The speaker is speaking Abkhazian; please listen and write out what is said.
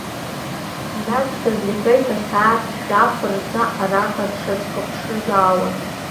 Ҳназгаз иҳәеит асааҭ жәаф рзы араҟа дшаҳзыԥшызаауа.